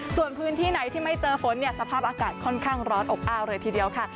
ส่วนพื้นที่ไหนที่ไม่เจอฝนเนี่ยสภาพอากาศค่อนข้างร้อนอบอ้าวเลยทีเดียวค่ะ